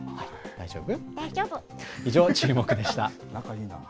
大丈夫。